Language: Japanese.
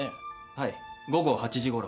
はい午後８時ごろ。